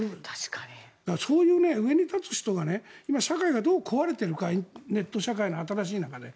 そういう上に立つ人が社会がどう壊れているかネット社会の新しい中で。